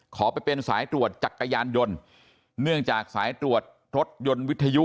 ขอไปเป็นสายตรวจจักรยานยนต์เนื่องจากสายตรวจรถยนต์วิทยุ